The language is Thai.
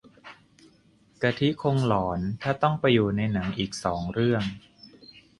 กะทิคงหลอนถ้าต้องไปอยู่ในหนังอีกสองเรื่อง